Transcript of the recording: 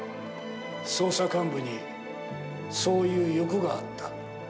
捜査幹部にそういう欲があった。